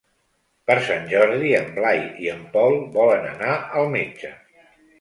Per Sant Jordi en Blai i en Pol volen anar al metge.